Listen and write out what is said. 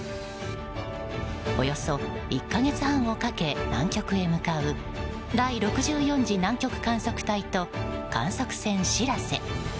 およそ１か月半をかけ南極へ向かう第６４次南極観測隊と観測船「しらせ」。